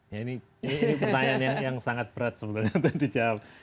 ya ini pertanyaan yang sangat berat sebenarnya untuk dijawab